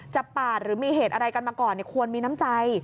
ปาดหรือมีเหตุอะไรกันมาก่อนควรมีน้ำใจ